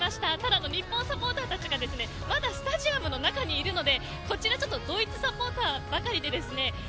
ただ日本サポーターたちがまだスタジアムの中にいるのでこちらドイツサポーターばかりでですね